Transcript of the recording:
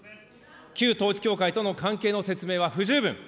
旧統一教会との関係の説明は不十分。